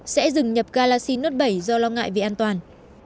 sẽ dừng nhập galaxy note bảy do lo ngại vì an toàn